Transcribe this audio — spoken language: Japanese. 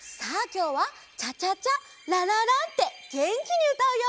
きょうはチャチャチャララランってげんきにうたうよ！